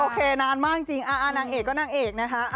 โอเคนานมากจริงอ่านางเอกก็นางเอกนะฮะ